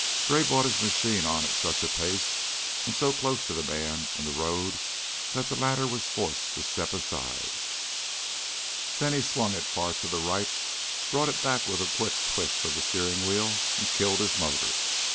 Gray brought his machine on at such a pace and so close to the man in the road that the latter was forced to step aside, then he swung it far to the right, brought it back with a quick twist of the steering wheel, and killed his motor.